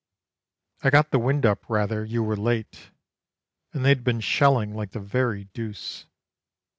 I got the wind up rather: you were late, And they'd been shelling like the very deuce.